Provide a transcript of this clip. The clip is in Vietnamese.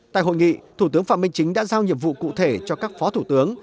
tại hội nghị thủ tướng phạm minh chính đã giao nhiệm vụ cụ thể cho các phó thủ tướng